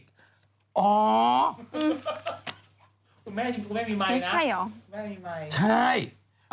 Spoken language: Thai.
คุณแม่แล้วไม่มีไลน์ใช่เหรอ